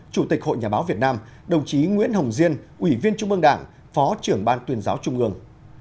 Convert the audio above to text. chủ tịch hội nhà báo việt nam đồng chí nguyễn hồng diên ủy viên trung ương đảng phó trưởng ban tuyên giáo trung ương